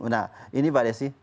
nah ini pak desi